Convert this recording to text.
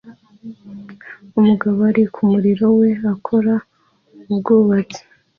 umugabo ari kumurimo we ukora Ubwubatsi